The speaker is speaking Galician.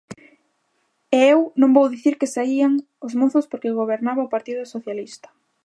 E eu non vou dicir que saían os mozos porque gobernaba o Partido Socialista.